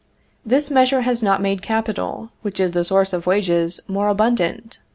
This measure has not made capital, which is the source of wages, more abundant.